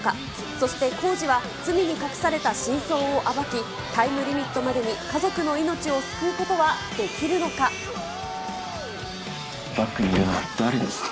そして晄司は罪に隠された真相を暴き、タイムリミットまでに家族バックにいるのは誰ですか。